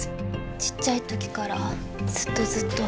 ちっちゃい時からずっとずっと。